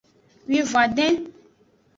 Wivon-aden.